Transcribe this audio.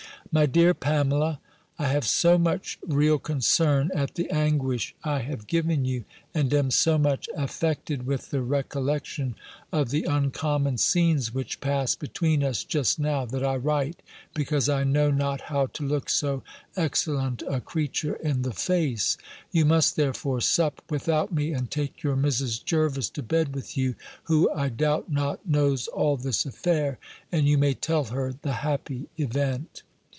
"My dear Pamela, "I have so much real concern at the anguish I have given you, and am so much affected with the recollection of the uncommon scenes which passed between us, just now, that I write, because I know not how to look so excellent a creature in the face You must therefore sup without me, and take your Mrs. Jervis to bed with you; who, I doubt not, knows all this affair; and you may tell her the happy event.